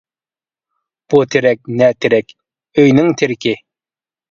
بۇ تېرەك، نە تېرەك؟ ئۆينىڭ تىرىكى!